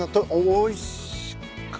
おいしい。